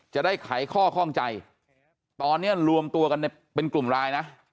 ไขข้อข้องใจตอนนี้รวมตัวกันเป็นกลุ่มรายนะ